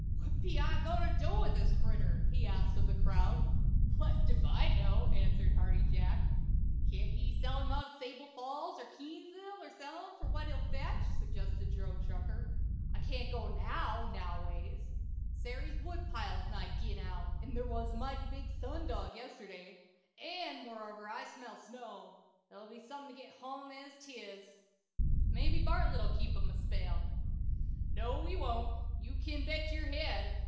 "What be I a goin' to do with the critter?" he asked of the crowd. "Blessed if I know," answered Hearty Jack. "Can't ye get him out to 'Sable Falls or Keeseville 'n sell him fur what he'll fetch?" suggested Joe Tucker. "I can't go now, noways. Sary's wood pile's nigh gin out, 'n there was a mighty big sundog yesterday; 'nd moreover I smell snow. It'll be suthin' to git hum as 'tis. Mabbe Bartlett'll keep him a spell." "No, he won't; you kin bet your head.